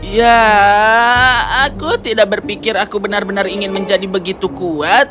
ya aku tidak berpikir aku benar benar ingin menjadi begitu kuat